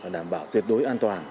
đảm bảo tuyệt đối an toàn